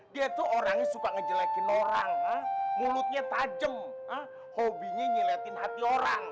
dia tuh orangnya suka ngejelekin orang ha mulutnya tajem hobinya nyiletin hati orang